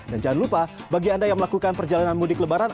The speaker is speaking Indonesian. dan jangan lupa bagi anda yang melakukan perjalanan mudik lebaran